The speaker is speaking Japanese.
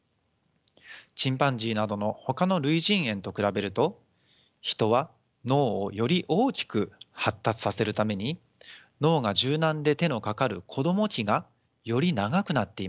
チンパンジーなどのほかの類人猿と比べると人は脳をより大きく発達させるために脳が柔軟で手のかかる子ども期がより長くなっています。